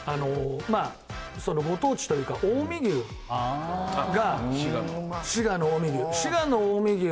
まあそのご当地というか近江牛が滋賀の近江牛